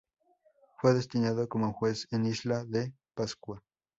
Fue destinado como juez en Isla de Pascua.